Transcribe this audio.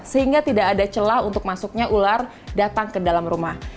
sehingga tidak ada celah untuk masuknya ular datang ke dalam rumah